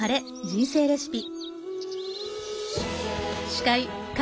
人生レシピ」。